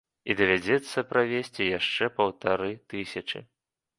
І давядзецца правесці яшчэ паўтары тысячы.